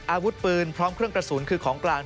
อาวุธปืนพร้อมเครื่องกระสุนคือของกลาง